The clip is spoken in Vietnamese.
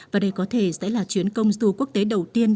và đây có thể sẽ là chuyến công du quốc tế đầu tiên